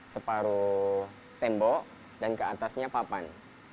separuh tembok dan ke atasnya papan